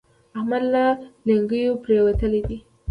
احمد له لېنګو پرېوتلی دی.